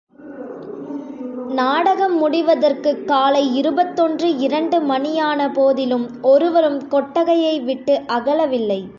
நாடகம் முடிவதற்குக் காலை இருபத்தொன்று இரண்டு மணியான போதிலும் ஒருவரும் கொட்டகையை விட்டு அகலவில்லை.